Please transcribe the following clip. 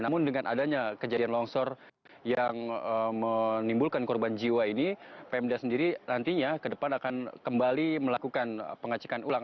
namun dengan adanya kejadian longsor yang menimbulkan korban jiwa ini pemda sendiri nantinya ke depan akan kembali melakukan pengacikan ulang